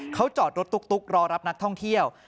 เขาจอดรถตุ๊กรอรับนักท่องเที่ยว